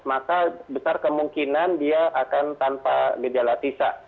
maka besar kemungkinan dia akan tanpa medialatisa